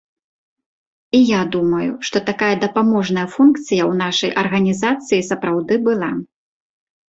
І я думаю, што такая дапаможная функцыя ў нашай арганізацыі сапраўды была.